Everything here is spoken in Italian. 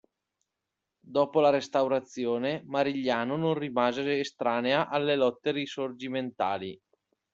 Dopo la Restaurazione, Marigliano non rimase estranea alle lotte risorgimentali.